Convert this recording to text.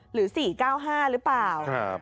หรือ๔๙๕หรือเปล่า